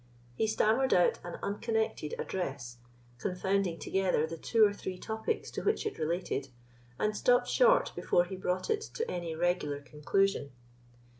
He stammered out an unconnected address, confounding together the two or three topics to which it related, and stopt short before he brought it to any regular conclusion.